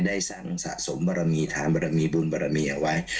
ได้สรรสะสมบารมีทางบรมีบุญบารมีเอาไว้